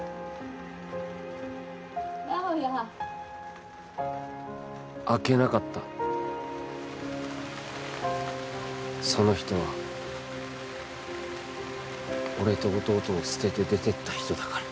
直哉開けなかったその人は俺と弟を捨てて出てった人だから